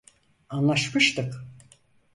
Anlaşmıştık.